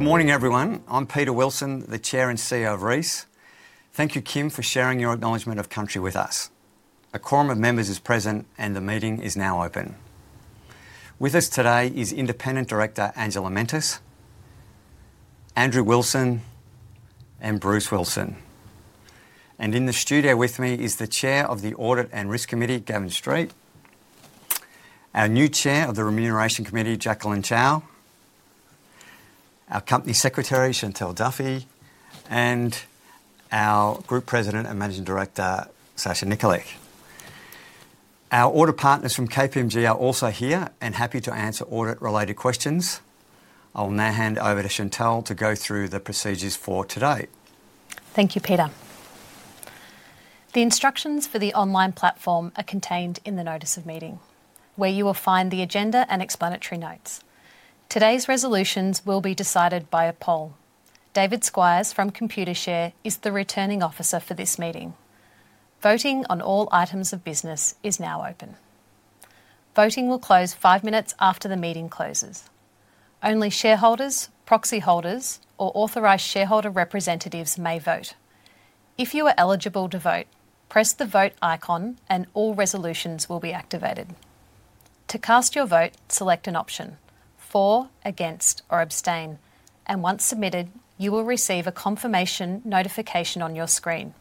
Good morning, everyone. I'm Peter Wilson, the Chair and CEO of Reece. Thank you, Kim, for sharing your acknowledgment of country with us. A quorum of members is present, and the meeting is now open. With us today are Independent Director Angela Mantas, Andrew Wilson, and Bruce Wilson. In the studio with me is the Chair of the Audit and Risk Committee, Gavin Street, our new Chair of the Remuneration Committee, Jacqueline Chow, our Company Secretary, Chantelle Duffy, and our Group President and Managing Director, Sasha Nikolic. Our audit partners from KPMG are also here and happy to answer audit-related questions. I will now hand over to Chantelle to go through the procedures for today. Thank you, Peter. The instructions for the online platform are contained in the Notice of Meeting, where you will find the agenda and explanatory notes. Today's resolutions will be decided by a poll. David Squires from Computershare is the returning officer for this meeting. Voting on all items of business is now open. Voting will close five minutes after the meeting closes. Only shareholders, proxy holders, or authorized shareholder representatives may vote. If you are eligible to vote, press the vote icon, and all resolutions will be activated. To cast your vote, select an option: for, against, or abstain. Once submitted, you will receive a confirmation notification on your screen.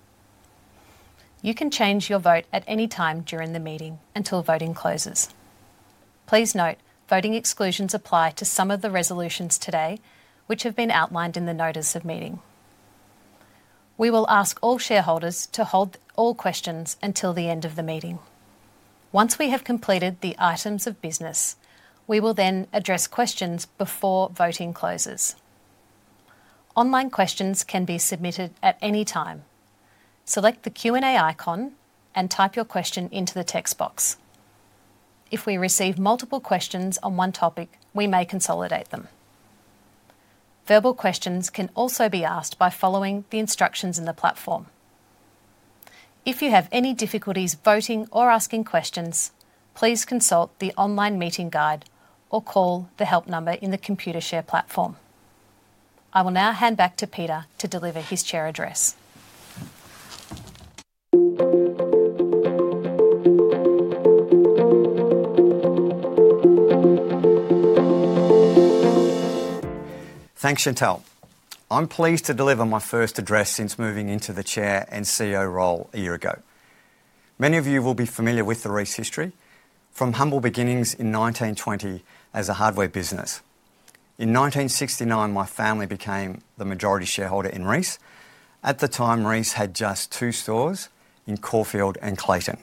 You can change your vote at any time during the meeting until voting closes. Please note voting exclusions apply to some of the resolutions today, which have been outlined in the Notice of Meeting. We will ask all shareholders to hold all questions until the end of the meeting. Once we have completed the items of business, we will then address questions before voting closes. Online questions can be submitted at any time. Select the Q&A icon and type your question into the text box. If we receive multiple questions on one topic, we may consolidate them. Verbal questions can also be asked by following the instructions in the platform. If you have any difficulties voting or asking questions, please consult the online meeting guide or call the help number in the Computershare platform. I will now hand back to Peter to deliver his chair address. Thanks, Chantelle. I'm pleased to deliver my first address since moving into the Chair and CEO role a year ago. Many of you will be familiar with the Reece history, from humble beginnings in 1920 as a hardware business. In 1969, my family became the majority shareholder in Reece. At the time, Reece had just two stores in Caulfield and Clayton.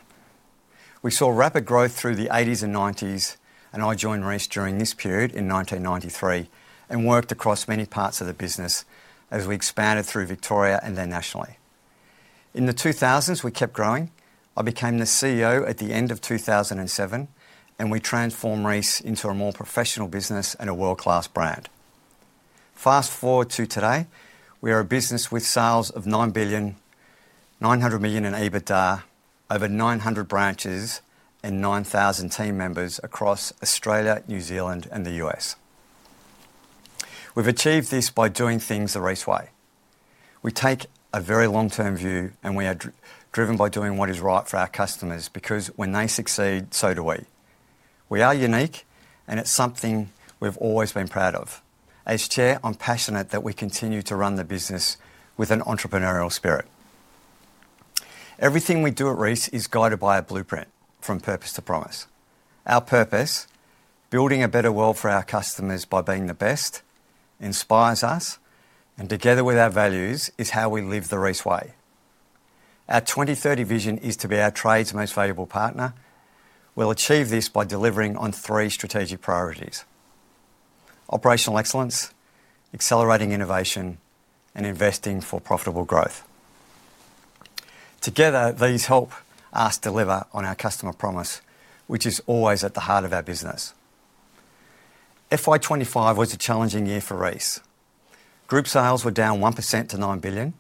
We saw rapid growth through the '80s and '90s, and I joined Reece during this period in 1993 and worked across many parts of the business as we expanded through Victoria and then nationally. In the 2000s, we kept growing. I became the CEO at the end of 2007, and we transformed Reece into a more professional business and a world-class brand. Fast forward to today, we are a business with sales of 900 million in EBITDA, over 900 branches, and 9,000 team members across Australia, New Zealand, and the US. We've achieved this by doing things the Reece way. We take a very long-term view, and we are driven by doing what is right for our customers because when they succeed, so do we. We are unique, and it's something we've always been proud of. As Chair, I'm passionate that we continue to run the business with an entrepreneurial spirit. Everything we do at Reece is guided by a blueprint from purpose to promise. Our purpose: building a better world for our customers by being the best, inspires us, and together with our values is how we live the Reece way. Our 2030 vision is to be our trade's most valuable partner. We'll achieve this by delivering on three strategic priorities: operational excellence, accelerating innovation, and investing for profitable growth. Together, these help us deliver on our customer promise, which is always at the heart of our business. FY25 was a challenging year for Reece. Group sales were down 1% to 9 billion.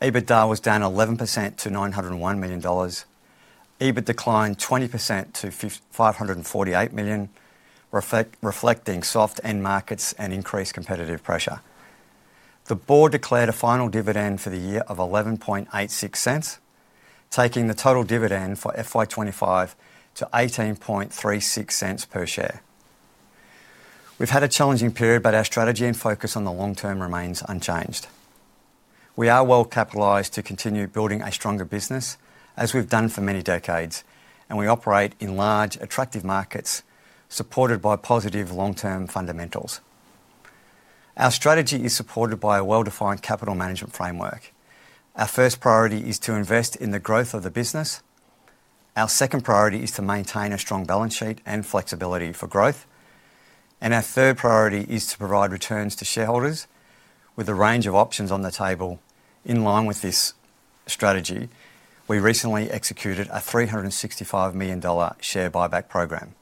EBITDA was down 11% to 901 million dollars. EBITDA declined 20% to 548 million, reflecting soft end markets and increased competitive pressure. The board declared a final dividend for the year of 11.86, taking the total dividend for FY25 to 18.36 per share. We've had a challenging period, but our strategy and focus on the long term remain unchanged. We are well capitalized to continue building a stronger business, as we've done for many decades, and we operate in large, attractive markets supported by positive long-term fundamentals. Our strategy is supported by a well-defined capital management framework. Our first priority is to invest in the growth of the business. Our second priority is to maintain a strong balance sheet and flexibility for growth. Our third priority is to provide returns to shareholders. With a range of options on the table, in line with this strategy, we recently executed an 365 million dollar share buyback program,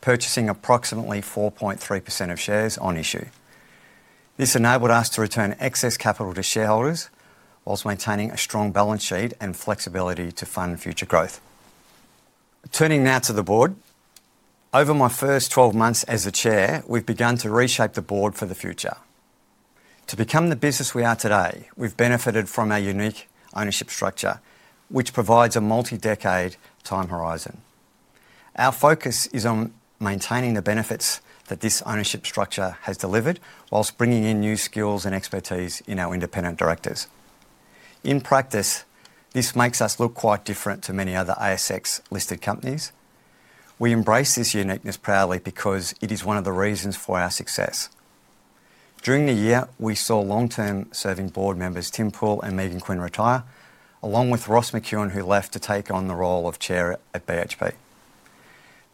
purchasing approximately 4.3% of shares on issue. This enabled us to return excess capital to shareholders whilst maintaining a strong balance sheet and flexibility to fund future growth. Turning now to the board, over my first 12 months as the Chair, we've begun to reshape the board for the future. To become the business we are today, we've benefited from our unique ownership structure, which provides a multi-decade time horizon. Our focus is on maintaining the benefits that this ownership structure has delivered whilst bringing in new skills and expertise in our independent directors. In practice, this makes us look quite different to many other ASX-listed companies. We embrace this uniqueness proudly because it is one of the reasons for our success. During the year, we saw long-term-serving board members Tim Poole and Megan Quinn retire, along with Ross McEwan, who left to take on the role of chair at BHP.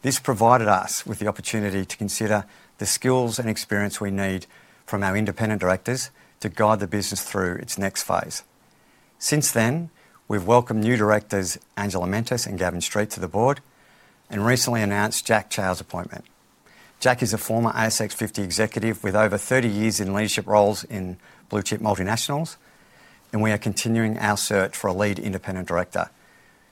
This provided us with the opportunity to consider the skills and experience we need from our independent directors to guide the business through its next phase. Since then, we've welcomed new directors, Angela Mantas and Gavin Street, to the board and recently announced Jacqueline Chow's appointment. Jack is a former ASX 50 executive with over 30 years in leadership roles in blue-chip multinationals, and we are continuing our search for a lead independent director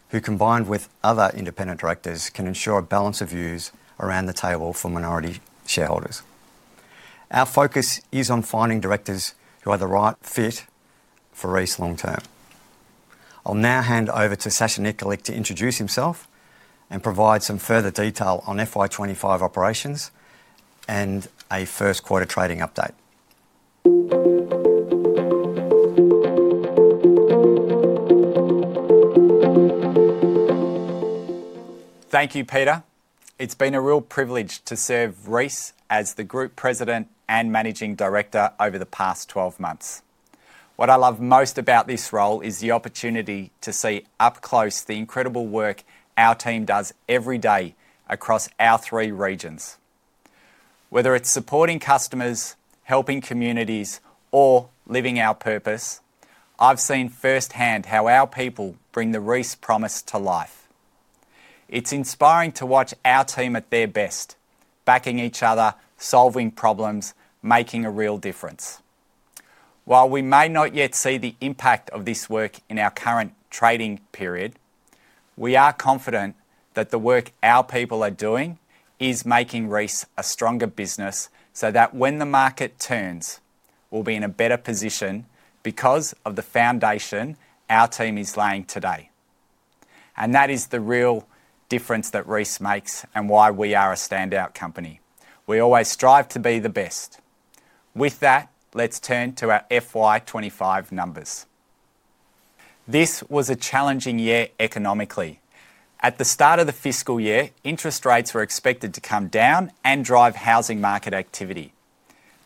who, combined with other independent directors, can ensure a balance of views around the table for minority shareholders. Our focus is on finding directors who are the right fit for Reece long term. I'll now hand over to Sasha Nikolic to introduce himself and provide some further detail on FY25 operations and a first-quarter trading update. Thank you, Peter. It's been a real privilege to serve Reece as the Group President and Managing Director over the past 12 months. What I love most about this role is the opportunity to see up close the incredible work our team does every day across our three regions. Whether it's supporting customers, helping communities, or living our purpose, I've seen firsthand how our people bring the Reece promise to life. It's inspiring to watch our team at their best, backing each other, solving problems, making a real difference. While we may not yet see the impact of this work in our current trading period, we are confident that the work our people are doing is making Reece a stronger business so that when the market turns, we'll be in a better position because of the foundation our team is laying today. That is the real difference that Reece makes and why we are a standout company. We always strive to be the best. With that, let's turn to our FY25 numbers. This was a challenging year economically. At the start of the fiscal year, interest rates were expected to come down and drive housing market activity.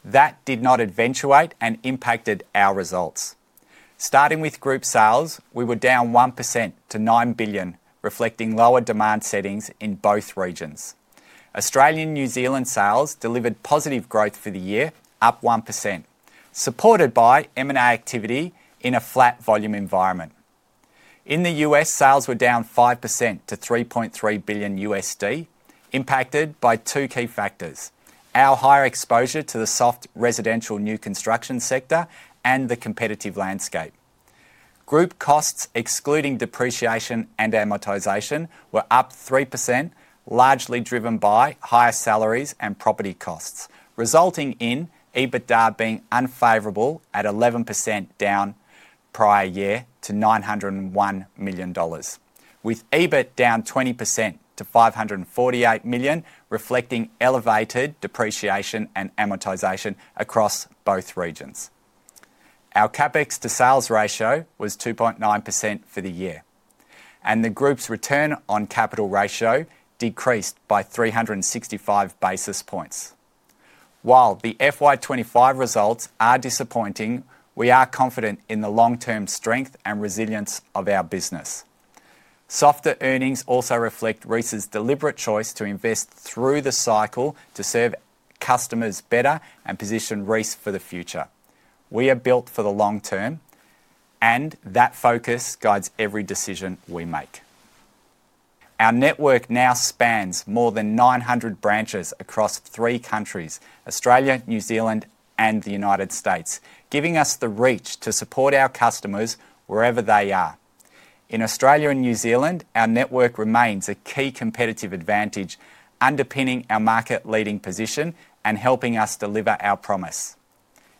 That did not eventuate and impacted our results. Starting with group sales, we were down 1% to 9 billion, reflecting lower demand settings in both regions. Australian and New Zealand sales delivered positive growth for the year, up 1%, supported by M&A activity in a flat volume environment. In the US, sales were down 5% to $3.3 billion, impacted by two key factors: our higher exposure to the soft residential new construction sector and the competitive landscape. Group costs, excluding depreciation and amortization, were up 3%, largely driven by higher salaries and property costs, resulting in EBITDA being unfavorable at 11% down prior year to AUD 901 million, with EBITDA down 20% to AUD 548 million, reflecting elevated depreciation and amortization across both regions. Our CapEx to sales ratio was 2.9% for the year, and the group's return on capital ratio decreased by 365 basis points. While the 2025 results are disappointing, we are confident in the long-term strength and resilience of our business. Softer earnings also reflect Reece's deliberate choice to invest through the cycle to serve customers better and position Reece for the future. We are built for the long term, and that focus guides every decision we make. Our network now spans more than 900 branches across three countries: Australia, New Zealand, and the United States, giving us the reach to support our customers wherever they are. In Australia and New Zealand, our network remains a key competitive advantage, underpinning our market-leading position and helping us deliver our promise.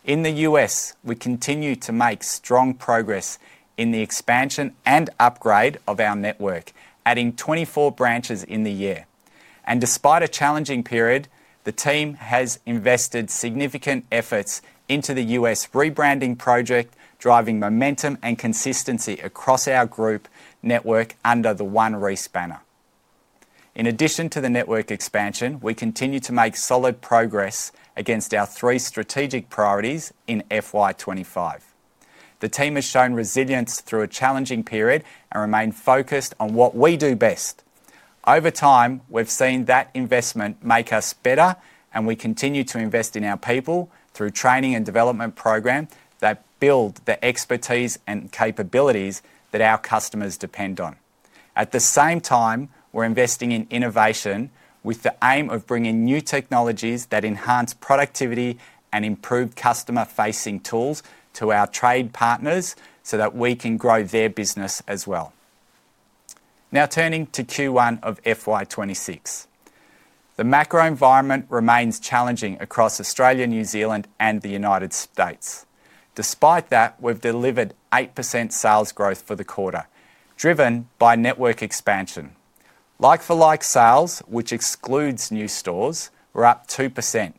In the U.S., we continue to make strong progress in the expansion and upgrade of our network, adding 24 branches in the year. Despite a challenging period, the team has invested significant efforts into the U.S. rebranding project, driving momentum and consistency across our group network under the one Reece banner. In addition to the network expansion, we continue to make solid progress against our three strategic priorities in FY25. The team has shown resilience through a challenging period and remained focused on what we do best. Over time, we've seen that investment make us better, and we continue to invest in our people through training and development programs that build the expertise and capabilities that our customers depend on. At the same time, we're investing in innovation with the aim of bringing new technologies that enhance productivity and improved customer-facing tools to our trade partners so that we can grow their business as well. Now turning to Q1 of FY26, the macro environment remains challenging across Australia, New Zealand, and the United States. Despite that, we've delivered 8% sales growth for the quarter, driven by network expansion. Like-for-like sales, which excludes new stores, were up 2%,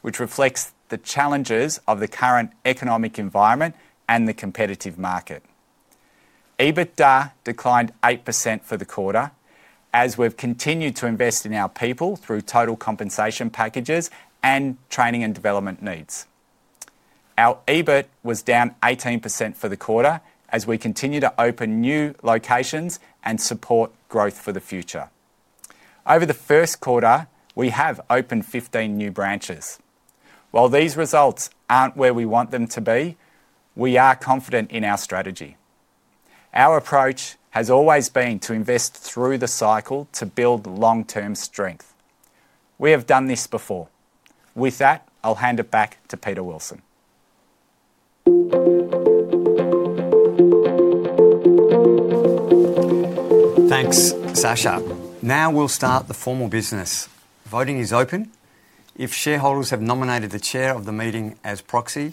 which reflects the challenges of the current economic environment and the competitive market. EBITDA declined 8% for the quarter, as we've continued to invest in our people through total compensation packages and training and development needs. Our EBIT was down 18% for the quarter, as we continue to open new locations and support growth for the future. Over the first quarter, we have opened 15 new branches. While these results are not where we want them to be, we are confident in our strategy. Our approach has always been to invest through the cycle to build long-term strength. We have done this before. With that, I will hand it back to Peter Wilson. Thanks, Sasha. Now we'll start the formal business. Voting is open. If shareholders have nominated the Chair of the meeting as proxy,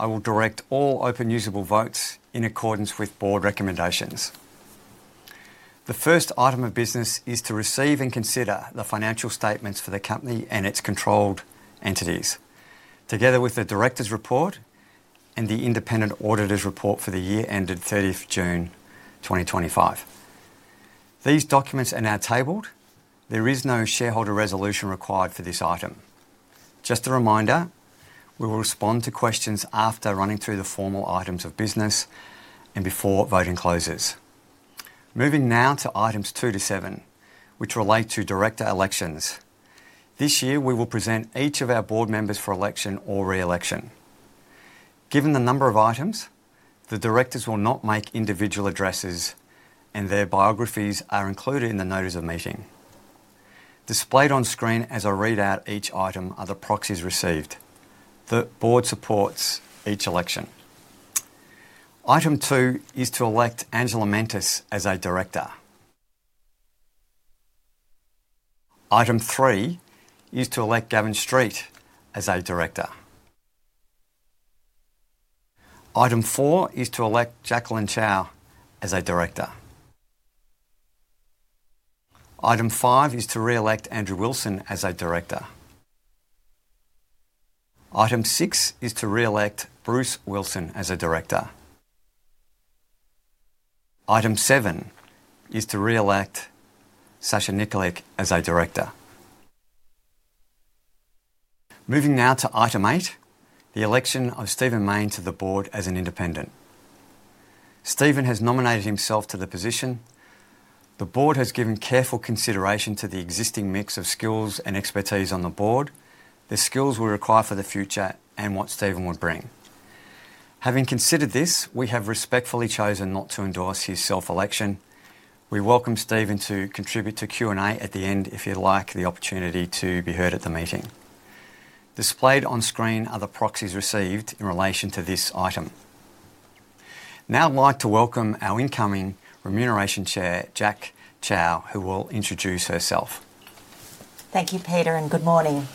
I will direct all open usable votes in accordance with board recommendations. The first item of business is to receive and consider the financial statements for the company and its controlled entities, together with the Director's report and the independent auditor's report for the year ended 30 June 2025. These documents are now tabled. There is no shareholder resolution required for this item. Just a reminder, we will respond to questions after running through the formal items of business and before voting closes. Moving now to items two to seven, which relate to director elections. This year, we will present each of our board members for election or re-election. Given the number of items, the directors will not make individual addresses, and their biographies are included in the notice of meeting. Displayed on screen as I read out each item are the proxies received. The board supports each election. Item two is to elect Angela Mantas as a director. Item three is to elect Gavin Street as a director. Item four is to elect Jacqueline Chow as a director. Item five is to re-elect Andrew Wilson as a director. Item six is to re-elect Bruce Wilson as a director. Item seven is to re-elect Sasha Nikolic as a director. Moving now to item eight, the election of Stephen Main to the board as an independent. Stephen has nominated himself to the position. The board has given careful consideration to the existing mix of skills and expertise on the board, the skills we require for the future, and what Stephen would bring. Having considered this, we have respectfully chosen not to endorse his self-election. We welcome Stephen to contribute to Q&A at the end if he'd like the opportunity to be heard at the meeting. Displayed on screen are the proxies received in relation to this item. Now I'd like to welcome our incoming Remuneration Chair, Jacqueline Chow, who will introduce herself. Thank you, Peter, and good morning.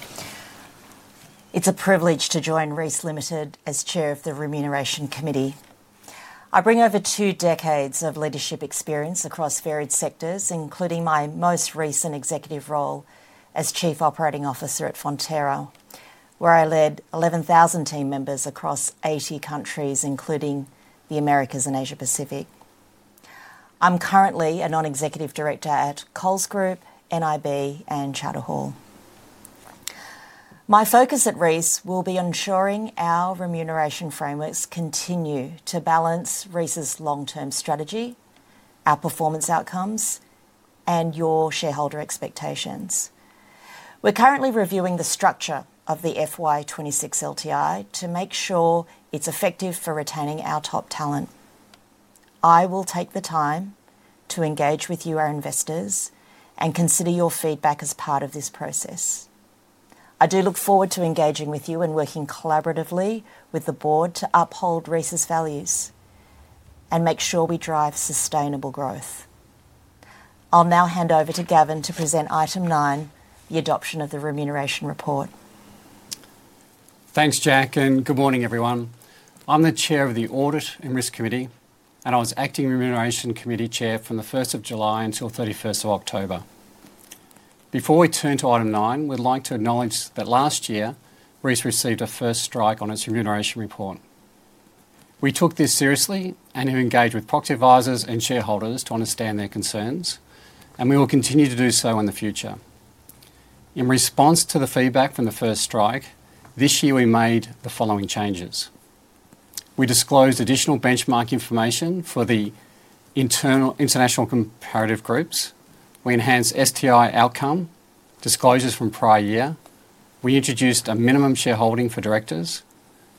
It's a privilege to join Reece as Chair of the Remuneration Committee. I bring over two decades of leadership experience across varied sectors, including my most recent executive role as Chief Operating Officer at Fonterra, where I led 11,000 team members across 80 countries, including the Americas and Asia-Pacific. I'm currently a non-executive director at Coles Group, NIB, and Chowder Hall. My focus at Reece will be ensuring our remuneration frameworks continue to balance Reece's long-term strategy, our performance outcomes, and your shareholder expectations. We're currently reviewing the structure of the FY26 LTI to make sure it's effective for retaining our top talent. I will take the time to engage with you, our investors, and consider your feedback as part of this process. I do look forward to engaging with you and working collaboratively with the board to uphold Reece's values and make sure we drive sustainable growth. I'll now hand over to Gavin to present item nine, the adoption of the remuneration report. Thanks, Jack, and good morning, everyone. I'm the Chair of the Audit and Risk Committee, and I was acting Remuneration Committee Chair from the 1st of July until 31 October. Before we turn to item nine, we'd like to acknowledge that last year, Reece received a first strike on its remuneration report. We took this seriously and have engaged with proxy advisors and shareholders to understand their concerns, and we will continue to do so in the future. In response to the feedback from the first strike, this year, we made the following changes. We disclosed additional benchmark information for the international comparative groups. We enhanced STI outcome disclosures from prior year. We introduced a minimum shareholding for directors,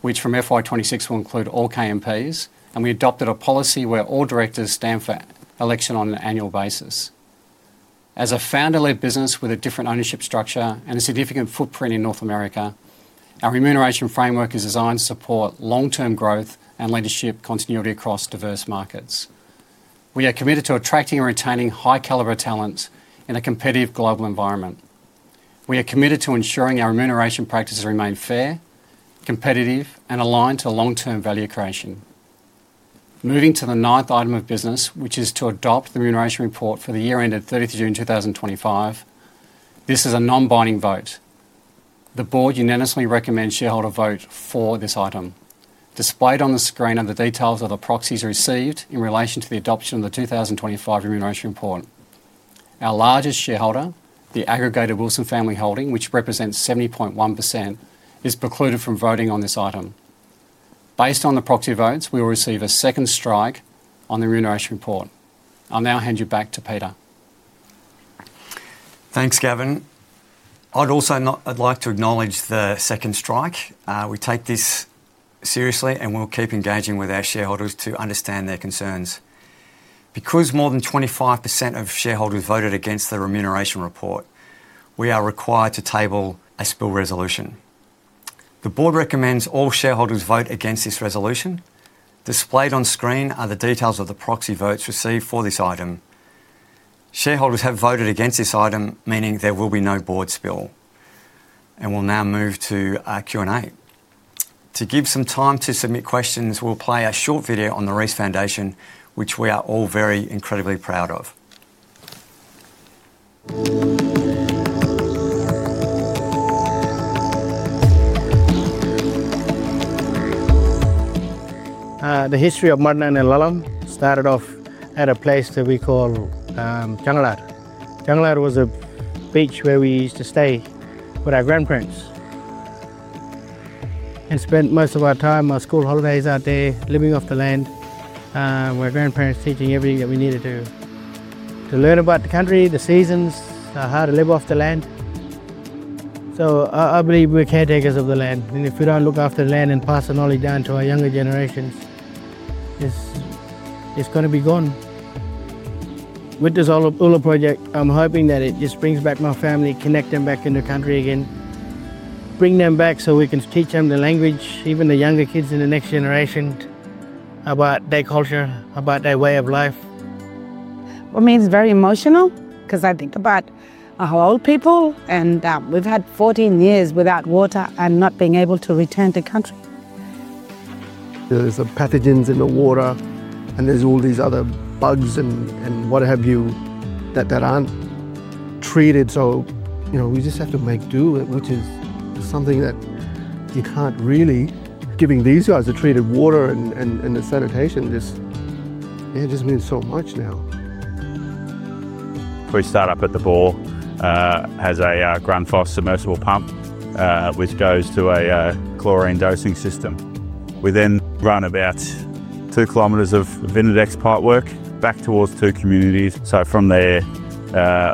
which from FY26 will include all KMPs, and we adopted a policy where all directors stand for election on an annual basis. As a founder-led business with a different ownership structure and a significant footprint in North America, our remuneration framework is designed to support long-term growth and leadership continuity across diverse markets. We are committed to attracting and retaining high-caliber talent in a competitive global environment. We are committed to ensuring our remuneration practices remain fair, competitive, and aligned to long-term value creation. Moving to the ninth item of business, which is to adopt the remuneration report for the year ended 30 June 2025, this is a non-binding vote. The board unanimously recommends shareholder vote for this item. Displayed on the screen are the details of the proxies received in relation to the adoption of the 2025 remuneration report. Our largest shareholder, the aggregated Wilson Family Holding, which represents 70.1%, is precluded from voting on this item. Based on the proxy votes, we will receive a second strike on the remuneration report. I'll now hand you back to Peter. Thanks, Gavin. I'd also like to acknowledge the second strike. We take this seriously, and we'll keep engaging with our shareholders to understand their concerns. Because more than 25% of shareholders voted against the remuneration report, we are required to table a spill resolution. The board recommends all shareholders vote against this resolution. Displayed on screen are the details of the proxy votes received for this item. Shareholders have voted against this item, meaning there will be no board spill. We'll now move to Q&A. To give some time to submit questions, we'll play a short video on the REITs Foundation, which we are all very incredibly proud of. The history of Mydnon and Lulum started off at a place that we call Changalad. Changalad was a beach where we used to stay with our grandparents and spent most of our time, our school holidays out there, living off the land, my grandparents teaching everything that we needed to learn about the country, the seasons, how to live off the land. I believe we're caretakers of the land. If we don't look after the land and pass the knowledge down to our younger generations, it's going to be gone. With this Ulur project, I'm hoping that it just brings back my family, connects them back in the country again, brings them back so we can teach them the language, even the younger kids in the next generation, about their culture, about their way of life. For me, it's very emotional because I think about our old people, and we've had 14 years without water and not being able to return to country. are pathogens in the water, and there are all these other bugs and what have you that are not treated. We just have to make do, which is something that you cannot really. Giving these guys the treated water and the sanitation just, yeah, it just means so much now. We start up at the bore, has a Grundfos submersible pump, which goes to a chlorine dosing system. We then run about 2 kilometers of Vinadex pipework back towards two communities. From there,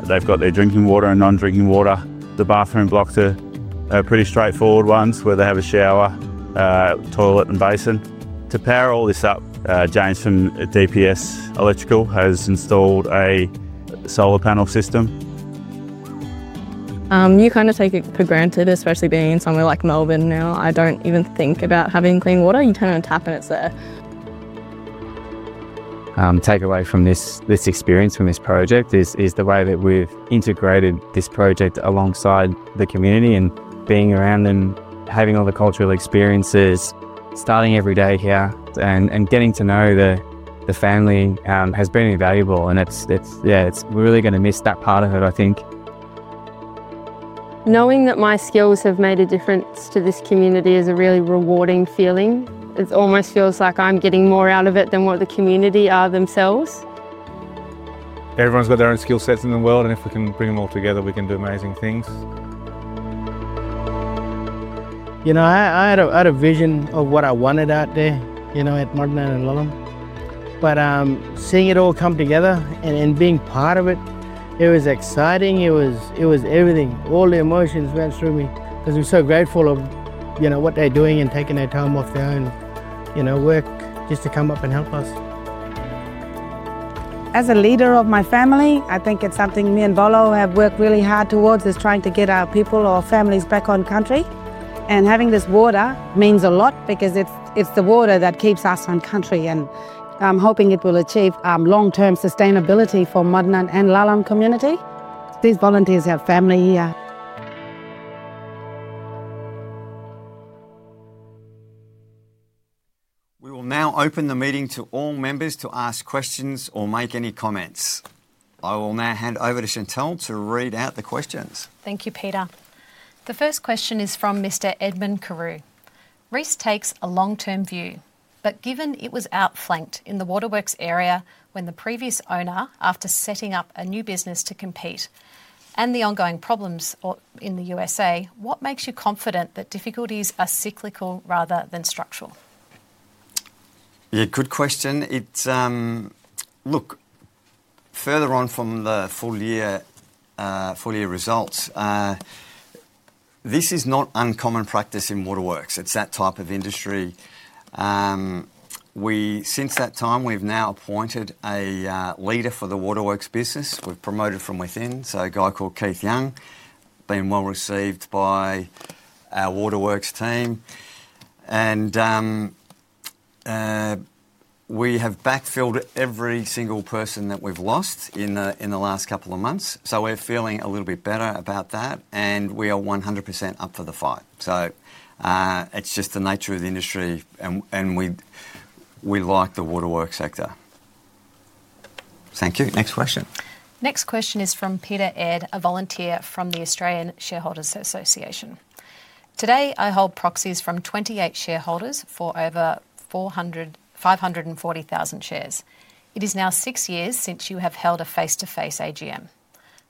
they've got their drinking water and non-drinking water. The bathroom blocks are pretty straightforward ones where they have a shower, toilet, and basin. To power all this up, James from DPS Electrical has installed a solar panel system. You kind of take it for granted, especially being in somewhere like Melbourne now. I do not even think about having clean water. You turn on a tap and it is there. Take away from this experience from this project is the way that we've integrated this project alongside the community and being around them, having all the cultural experiences, starting every day here and getting to know the family has been invaluable. Yeah, we're really going to miss that part of it, I think. Knowing that my skills have made a difference to this community is a really rewarding feeling. It almost feels like I'm getting more out of it than what the community are themselves. Everyone's got their own skill sets in the world, and if we can bring them all together, we can do amazing things. You know, I had a vision of what I wanted out there at Mydnon and Lulum, but seeing it all come together and being part of it, it was exciting. It was everything. All the emotions went through me because we're so grateful of what they're doing and taking their time off their own work just to come up and help us. As a leader of my family, I think it's something me and Bolo have worked really hard towards is trying to get our people or families back on country. Having this water means a lot because it's the water that keeps us on country. I'm hoping it will achieve long-term sustainability for Mydnon and Lulum community. These volunteers have family here. We will now open the meeting to all members to ask questions or make any comments. I will now hand over to Chantelle to read out the questions. Thank you, Peter. The first question is from Mr. Edmund Carew. Reece takes a long-term view, but given it was outflanked in the waterworks area when the previous owner, after setting up a new business to compete and the ongoing problems in the US, what makes you confident that difficulties are cyclical rather than structural? Yeah, good question. Look, further on from the full year results, this is not uncommon practice in waterworks. It's that type of industry. Since that time, we've now appointed a leader for the waterworks business. We've promoted from within, so a guy called Keith Young, being well received by our waterworks team. We have backfilled every single person that we've lost in the last couple of months. We are feeling a little bit better about that, and we are 100% up for the fight. It's just the nature of the industry, and we like the waterworks sector. Thank you. Next question. Next question is from Peter Ed, a volunteer from the Australian Shareholders Association. Today, I hold proxies from 28 shareholders for over 540,000 shares. It is now six years since you have held a face-to-face AGM.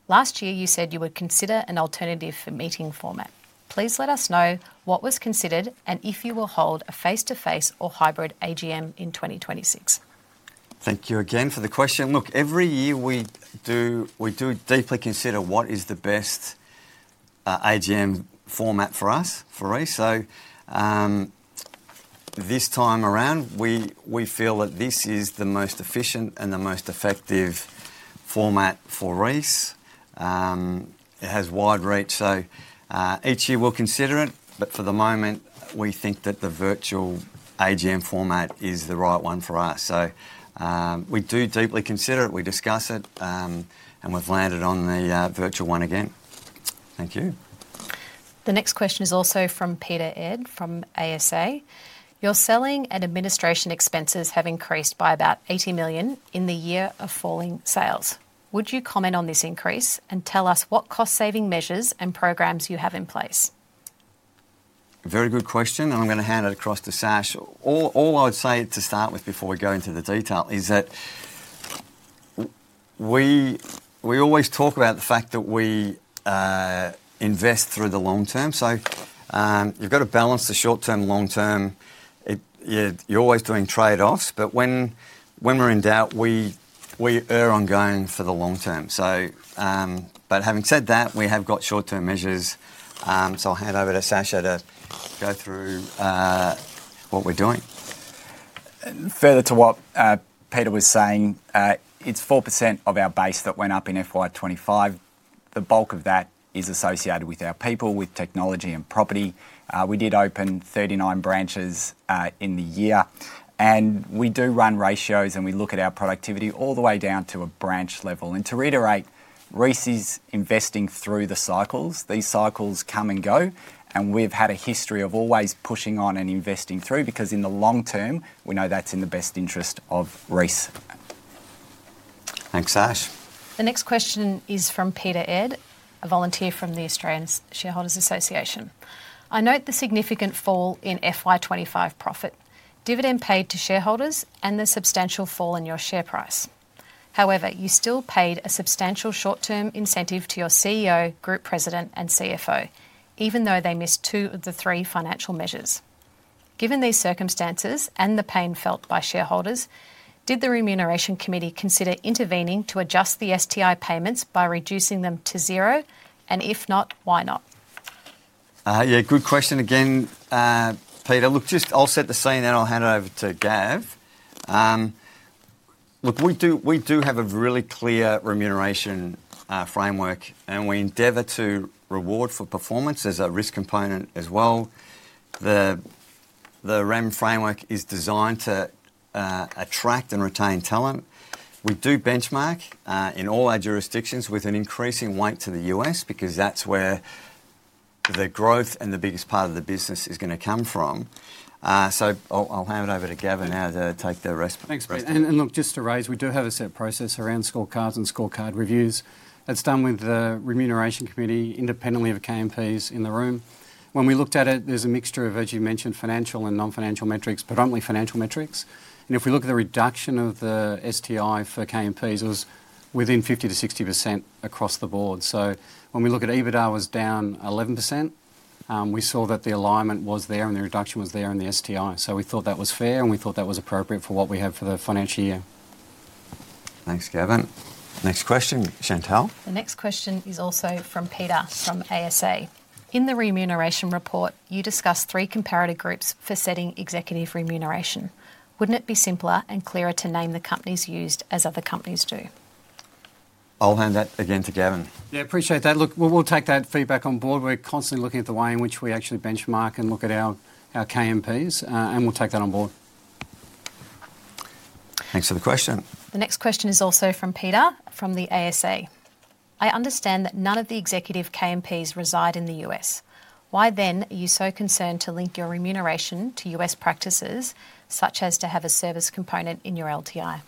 Last year, you said you would consider an alternative for meeting format. Please let us know what was considered and if you will hold a face-to-face or hybrid AGM in 2026. Thank you again for the question. Look, every year we do deeply consider what is the best AGM format for us, for Reece. This time around, we feel that this is the most efficient and the most effective format for Reece. It has wide reach. Each year we'll consider it, but for the moment, we think that the virtual AGM format is the right one for us. We do deeply consider it. We discuss it, and we've landed on the virtual one again. Thank you. The next question is also from Peter Ed from ASA. Your selling and administration expenses have increased by about 80 million in the year of falling sales. Would you comment on this increase and tell us what cost-saving measures and programs you have in place? Very good question, and I'm going to hand it across to Sash. All I would say to start with before we go into the detail is that we always talk about the fact that we invest through the long term. You have to balance the short term and long term. You're always doing trade-offs, but when we're in doubt, we err on going for the long term. Having said that, we have got short-term measures. I'll hand over to Sasha to go through what we're doing. Further to what Peter was saying, it's 4% of our base that went up in FY25. The bulk of that is associated with our people, with technology and property. We did open 39 branches in the year, and we do run ratios and we look at our productivity all the way down to a branch level. To reiterate, Reece is investing through the cycles. These cycles come and go, and we've had a history of always pushing on and investing through because in the long term, we know that's in the best interest of Reece. Thanks, Sash. The next question is from Peter Ed, a volunteer from the Australian Shareholders Association. I note the significant fall in FY25 profit, dividend paid to shareholders, and the substantial fall in your share price. However, you still paid a substantial short-term incentive to your CEO, group president, and CFO, even though they missed two of the three financial measures. Given these circumstances and the pain felt by shareholders, did the remuneration committee consider intervening to adjust the STI payments by reducing them to zero? If not, why not? Yeah, good question again, Peter. Look, just I'll set the scene and I'll hand it over to Gav. Look, we do have a really clear remuneration framework, and we endeavour to reward for performance. There's a risk component as well. The REM framework is designed to attract and retain talent. We do benchmark in all our jurisdictions with an increasing weight to the US because that's where the growth and the biggest part of the business is going to come from. I'll hand it over to Gavin now to take the rest. Thanks, Peter. Just to raise, we do have a set process around scorecards and scorecard reviews. It is done with the remuneration committee independently of KMPs in the room. When we looked at it, there is a mixture of, as you mentioned, financial and non-financial metrics, predominantly financial metrics. If we look at the reduction of the STI for KMPs, it was within 50-60% across the board. When we look at EBITDA, it was down 11%. We saw that the alignment was there and the reduction was there in the STI. We thought that was fair and we thought that was appropriate for what we have for the financial year. Thanks, Gavin. Next question, Chantelle. The next question is also from Peter from ASA. In the remuneration report, you discussed three comparative groups for setting executive remuneration. Wouldn't it be simpler and clearer to name the companies used as other companies do? I'll hand that again to Gavin. Yeah, appreciate that. Look, we'll take that feedback on board. We're constantly looking at the way in which we actually benchmark and look at our KMPs, and we'll take that on board. Thanks for the question. The next question is also from Peter from the ASA. I understand that none of the executive KMPs reside in the US. Why then are you so concerned to link your remuneration to US practices, such as to have a service component in your LTI?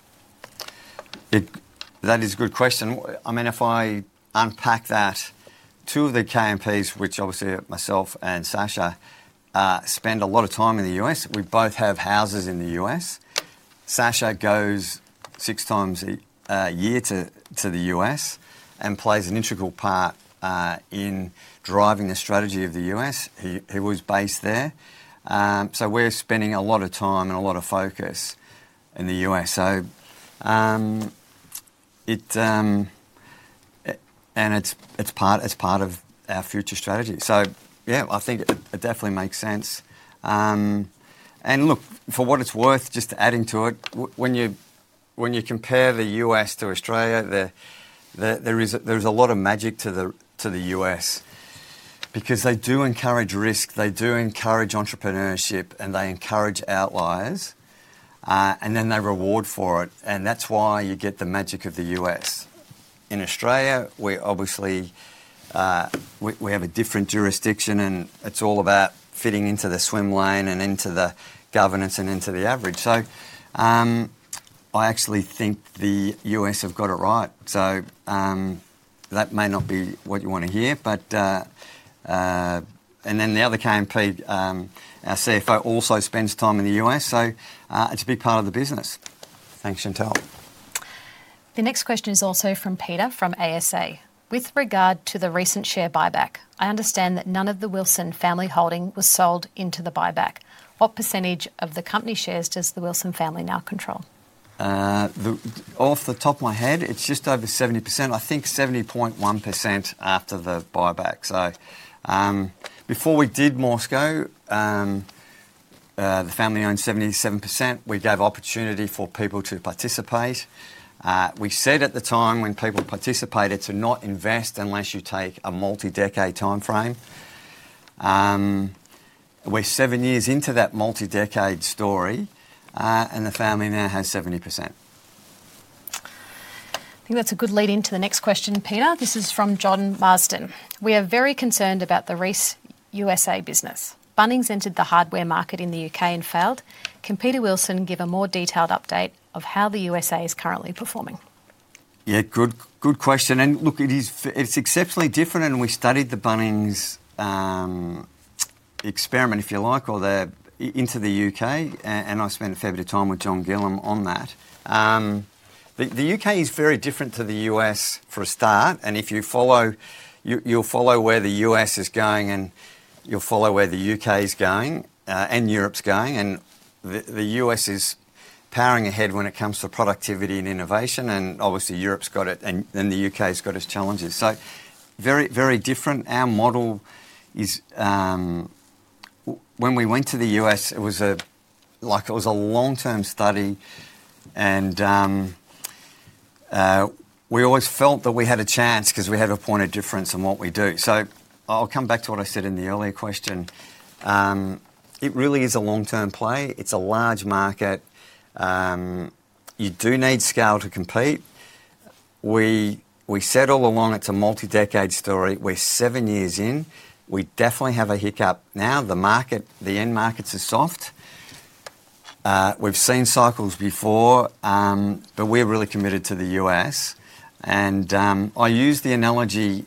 That is a good question. I mean, if I unpack that, two of the KMPs, which obviously myself and Sasha spend a lot of time in the U.S., we both have houses in the U.S. Sasha goes six times a year to the U.S. and plays an integral part in driving the strategy of the U.S. He was based there. We are spending a lot of time and a lot of focus in the U.S. It is part of our future strategy. Yeah, I think it definitely makes sense. Look, for what it is worth, just adding to it, when you compare the U.S. to Australia, there is a lot of magic to the U.S. because they do encourage risk, they do encourage entrepreneurship, and they encourage outliers, and then they reward for it. That is why you get the magic of the U.S. In Australia, we obviously have a different jurisdiction, and it is all about fitting into the swim lane and into the governance and into the average. I actually think the US have got it right. That may not be what you want to hear. The other KMP, our CFO, also spends time in the US. It is a big part of the business. Thanks, Chantelle. The next question is also from Peter from ASA. With regard to the recent share buyback, I understand that none of the Wilson family holding was sold into the buyback. What percentage of the company shares does the Wilson family now control? Off the top of my head, it's just over 70%. I think 70.1% after the buyback. Before we did MorseGo, the family owned 77%. We gave opportunity for people to participate. We said at the time when people participated to not invest unless you take a multi-decade time frame. We're seven years into that multi-decade story, and the family now has 70%. I think that's a good lead into the next question, Peter. This is from John Marston. We are very concerned about the Reece USA business. Bunnings entered the hardware market in the U.K. and failed. Can Peter Wilson give a more detailed update of how the USA is currently performing? Yeah, good question. Look, it's exceptionally different, and we studied the Bunnings experiment, if you like, into the U.K., and I spent a fair bit of time with John Gillum on that. The U.K. is very different to the U.S. for a start. If you follow, you'll follow where the U.S. is going and you'll follow where the U.K. is going and Europe's going. The U.S. is powering ahead when it comes to productivity and innovation, and obviously Europe's got it, and then the U.K.'s got its challenges. Very different. Our model is when we went to the U.S., it was like it was a long-term study, and we always felt that we had a chance because we have a point of difference in what we do. I'll come back to what I said in the earlier question. It really is a long-term play. It's a large market. You do need scale to compete. We said all along it's a multi-decade story. We're seven years in. We definitely have a hiccup now. The market, the end markets are soft. We've seen cycles before, but we're really committed to the U.S. I use the analogy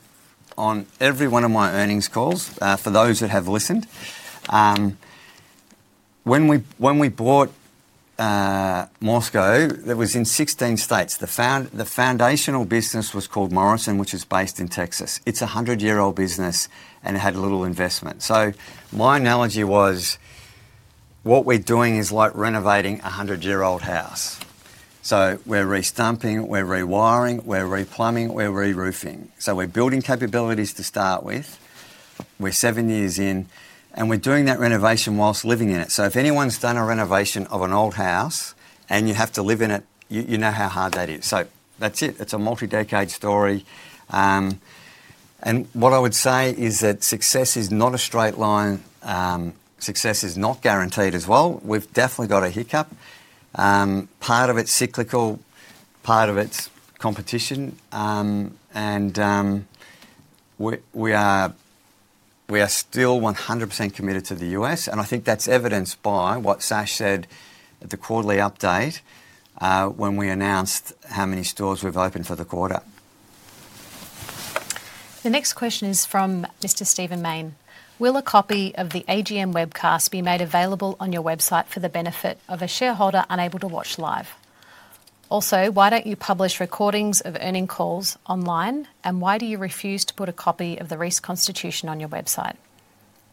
on every one of my earnings calls for those that have listened. When we bought Morrison, it was in 16 states. The foundational business was called Morrison, which is based in Texas. It's a 100-year-old business and it had little investment. My analogy was what we're doing is like renovating a 100-year-old house. We're restamping, we're rewiring, we're replumbing, we're reroofing. We're building capabilities to start with. We're seven years in, and we're doing that renovation whilst living in it. If anyone's done a renovation of an old house and you have to live in it, you know how hard that is. That's it. It's a multi-decade story. What I would say is that success is not a straight line. Success is not guaranteed as well. We've definitely got a hiccup. Part of it's cyclical, part of it's competition. We are still 100% committed to the US. I think that's evidenced by what Sasha said at the quarterly update when we announced how many stores we've opened for the quarter. The next question is from Mr. Stephen Main. Will a copy of the AGM webcast be made available on your website for the benefit of a shareholder unable to watch live? Also, why don't you publish recordings of earning calls online? Why do you refuse to put a copy of the REITs constitution on your website?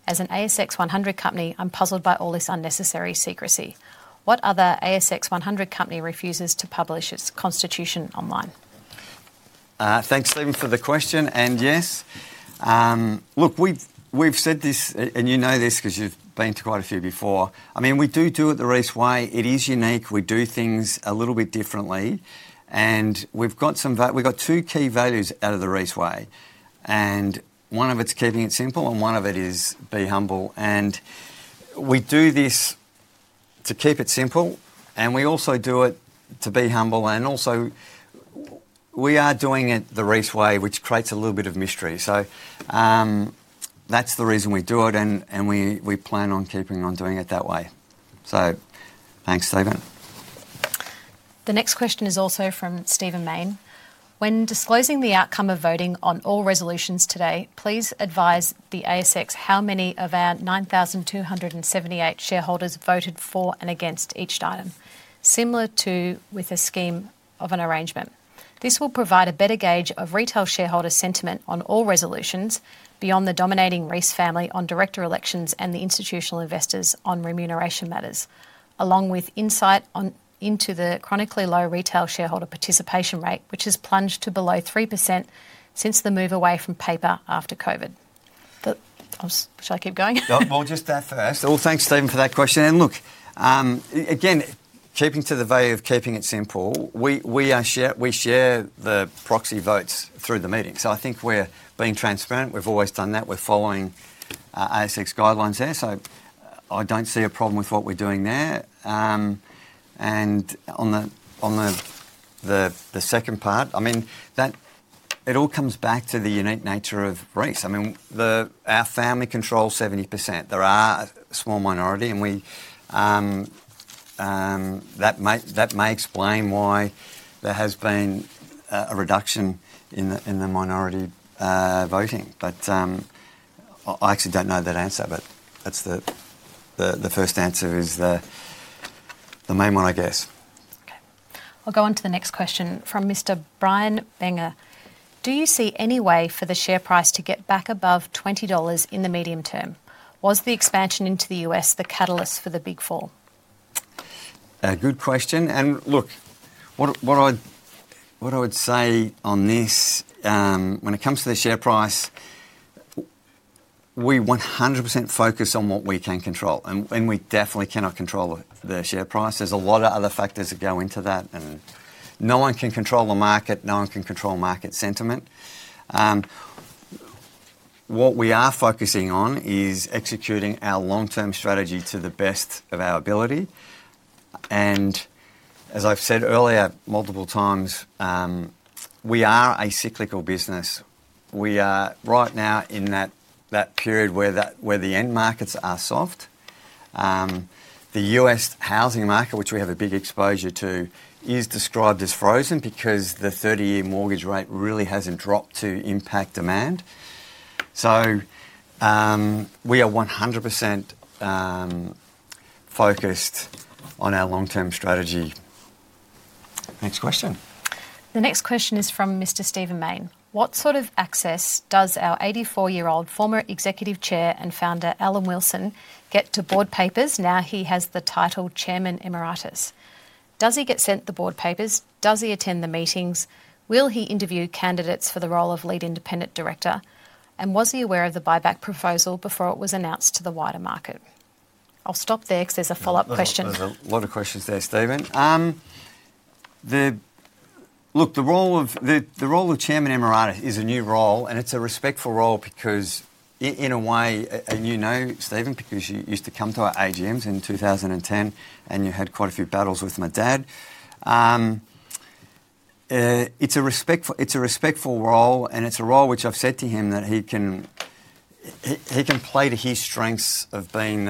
As an ASX 100 company, I'm puzzled by all this unnecessary secrecy. What other ASX 100 company refuses to publish its constitution online? Thanks, Stephen, for the question. Yes, look, we've said this, and you know this because you've been to quite a few before. I mean, we do do it the Reece way. It is unique. We do things a little bit differently. We've got some value. We've got two key values out of the Reece way. One of it's keeping it simple, and one of it is be humble. We do this to keep it simple, and we also do it to be humble. Also, we are doing it the Reece way, which creates a little bit of mystery. That's the reason we do it, and we plan on keeping on doing it that way. Thanks, Stephen. The next question is also from Stephen Main. When disclosing the outcome of voting on all resolutions today, please advise the ASX how many of our 9,278 shareholders voted for and against each item, similar to with a scheme of an arrangement. This will provide a better gauge of retail shareholder sentiment on all resolutions beyond the dominating Reece family on director elections and the institutional investors on remuneration matters, along with insight into the chronically low retail shareholder participation rate, which has plunged to below 3% since the move away from paper after COVID. I wish I could keep going. Thanks, Stephen, for that question. Look, again, keeping to the value of keeping it simple, we share the proxy votes through the meeting. I think we're being transparent. We've always done that. We're following ASX guidelines there. I do not see a problem with what we're doing there. On the second part, it all comes back to the unique nature of Reece. Our family controls 70%. There are a small minority, and that may explain why there has been a reduction in the minority voting. I actually do not know that answer, but the first answer is the main one, I guess. Okay. I'll go on to the next question from Mr. Brian Benger. Do you see any way for the share price to get back above $20 in the medium term? Was the expansion into the US the catalyst for the big fall? Good question. Look, what I would say on this, when it comes to the share price, we 100% focus on what we can control. We definitely cannot control the share price. There are a lot of other factors that go into that. No one can control the market. No one can control market sentiment. What we are focusing on is executing our long-term strategy to the best of our ability. As I have said earlier multiple times, we are a cyclical business. We are right now in that period where the end markets are soft. The US housing market, which we have a big exposure to, is described as frozen because the 30-year mortgage rate really has not dropped to impact demand. We are 100% focused on our long-term strategy. Next question. The next question is from Mr. Stephen Main. What sort of access does our 84-year-old former Executive Chair and founder, Alan Wilson, get to board papers? Now he has the title Chairman Emeritus. Does he get sent the board papers? Does he attend the meetings? Will he interview candidates for the role of lead independent director? Was he aware of the buyback proposal before it was announced to the wider market? I'll stop there because there's a follow-up question. There's a lot of questions there, Stephen. Look, the role of Chairman Emeritus is a new role, and it's a respectful role because in a way, and you know, Stephen, because you used to come to our AGMs in 2010 and you had quite a few battles with my dad. It's a respectful role, and it's a role which I've said to him that he can play to his strengths of being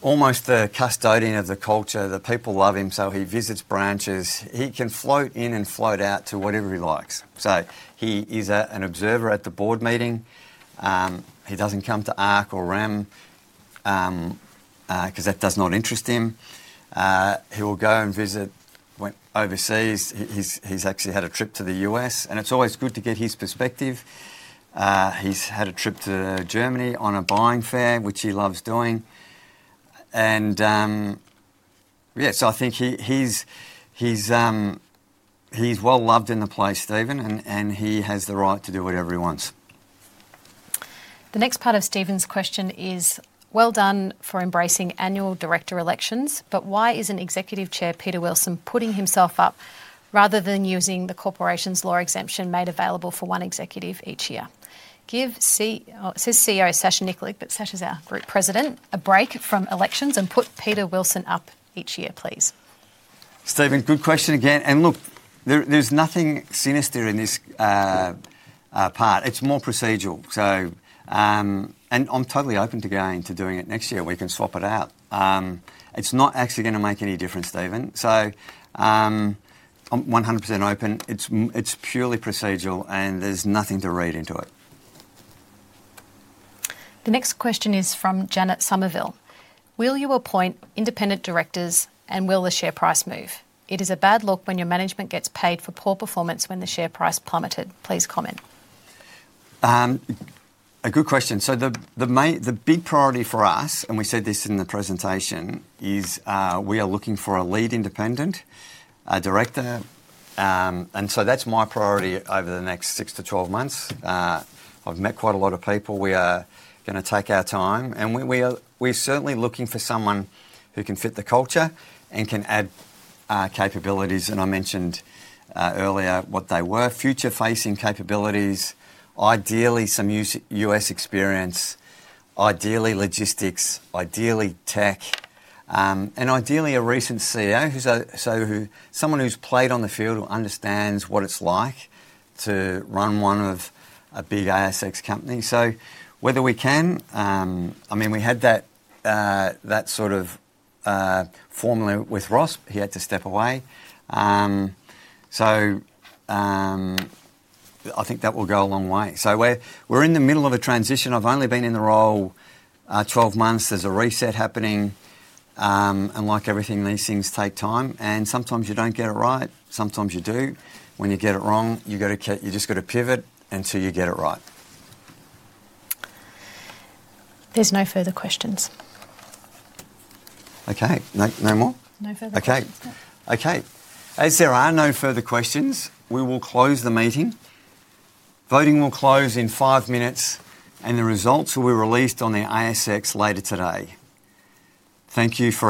almost the custodian of the culture. The people love him, so he visits branches. He can float in and float out to whatever he likes. He is an observer at the board meeting. He doesn't come to ARC or REM because that does not interest him. He will go and visit overseas. He's actually had a trip to the US, and it's always good to get his perspective. He's had a trip to Germany on a buying fair, which he loves doing. Yeah, I think he's well loved in the place, Stephen, and he has the right to do whatever he wants. The next part of Stephen's question is, well done for embracing annual director elections, but why isn't Executive Chair Peter Wilson putting himself up rather than using the corporation's law exemption made available for one executive each year? Give CEO Sasha Nikolic, but Sasha's our Group President, a break from elections and put Peter Wilson up each year, please. Stephen, good question again. Look, there's nothing sinister in this part. It's more procedural. I'm totally open to going to doing it next year. We can swap it out. It's not actually going to make any difference, Stephen. I'm 100% open. It's purely procedural, and there's nothing to read into it. The next question is from Janet Somerville. Will you appoint independent directors, and will the share price move? It is a bad look when your management gets paid for poor performance when the share price plummeted. Please comment. A good question. The big priority for us, and we said this in the presentation, is we are looking for a lead independent director. That is my priority over the next 6-12 months. I've met quite a lot of people. We are going to take our time. We are certainly looking for someone who can fit the culture and can add capabilities. I mentioned earlier what they were: future-facing capabilities, ideally some US experience, ideally logistics, ideally tech, and ideally a recent CEO, someone who's played on the field who understands what it's like to run one of a big ASX company. Whether we can, I mean, we had that sort of formula with Ross. He had to step away. I think that will go a long way. We are in the middle of a transition. I've only been in the role 12 months. There is a reset happening. Like everything, these things take time. Sometimes you do not get it right. Sometimes you do. When you get it wrong, you just have to pivot until you get it right. There's no further questions. Okay. No more? No further questions. Okay. Okay. As there are no further questions, we will close the meeting. Voting will close in five minutes, and the results will be released on the ASX later today. Thank you.